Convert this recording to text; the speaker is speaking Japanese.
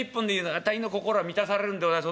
あたいの心は満たされるんでございます。